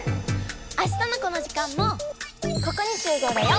あしたのこの時間もここにしゅうごうだよ！